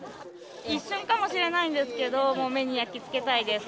一瞬かもしれないんですけど、目に焼き付けたいです。